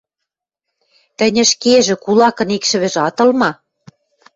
Тӹнь ӹшкежӹ кулакын икшӹвӹжӹ ат ыл ма?